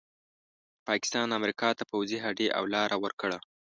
پاکستان امریکا ته پوځي هډې او لاره ورکړه.